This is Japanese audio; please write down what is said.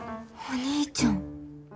お兄ちゃん。